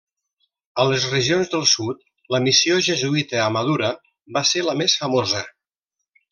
A les regions del sud la missió jesuïta a Madura va ser la més famosa.